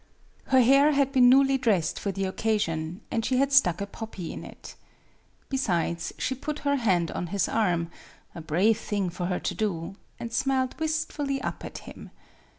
Her hair had been newly dressed for the occasion, and she had stuck a poppy in it. Besides, she put her hand on his arm (a brave thing for her to do), and smiled wist fully up at him.